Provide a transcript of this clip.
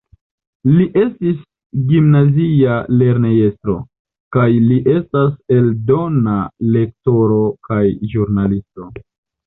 Li estis gimnazia lernejestro, kaj li estas eldona lektoro kaj ĵurnalisto.